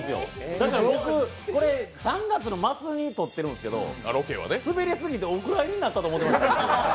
だから僕、これ３月の末に撮ってるんですけどスベりすぎてお蔵入りになったと思ってました。